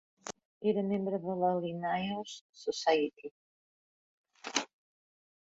Era membre de la Linnaeus Society.